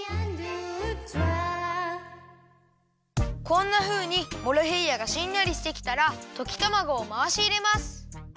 こんなふうにモロヘイヤがしんなりしてきたらときたまごをまわしいれます。